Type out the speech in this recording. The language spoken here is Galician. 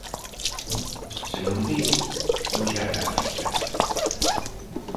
Se non ve, doulle a gráfica.